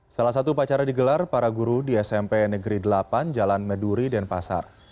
salah satu upacara digelar para guru di smp negeri delapan jalan meduri denpasar